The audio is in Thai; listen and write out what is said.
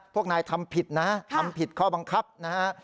พวกนายทำผิดนะทำผิดข้อบังคับนะฮะ